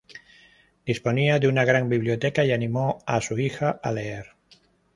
Disponía de una gran biblioteca, y animó a su hija a leer.